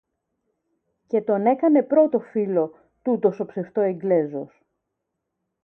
Και τον έκανε πρώτο φίλο, τούτος ο ψευτο Εγγλέζος